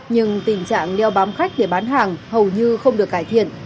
nhưng tình trạng đeo bám khách để bán hàng hầu như không được cải thiện